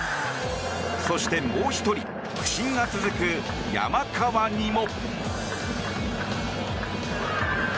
そしてもう１人不振が続く山川にも。